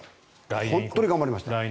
本当に頑張りました。